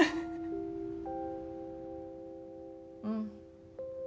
うん。